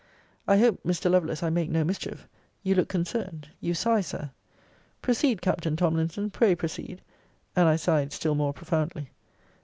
I hope, Mr. Lovelace, I make no mischief. You look concerned you sigh, Sir. Proceed, Captain Tomlinson. Pray proceed. And I sighed still more profoundly.